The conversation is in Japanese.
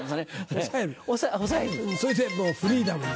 それでもうフリーダムに。